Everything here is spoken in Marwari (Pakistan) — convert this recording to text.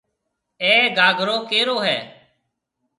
اَي گھاگرو ڪَيرو هيَ۔